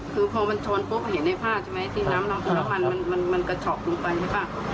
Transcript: คือพอมันชนปุ๊บเห็นในภาพใช่ไหมที่น้ำร้อนมันกระเฉาะลงไปใช่ป่ะ